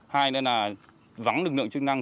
hai nữa là vắng lực lượng chức năng